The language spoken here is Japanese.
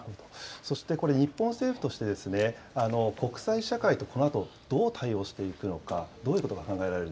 そしてこれ、日本政府として、国際社会とこのあと、どう対応していくのか、どういうことが考え